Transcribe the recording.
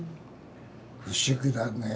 不思議だねえ